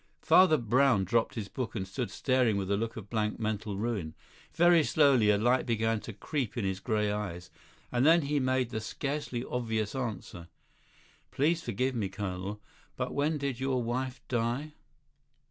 Father Brown dropped his book and stood staring with a look of blank mental ruin. Very slowly a light began to creep in his grey eyes, and then he made the scarcely obvious answer. "Please forgive me, colonel, but when did your wife die?"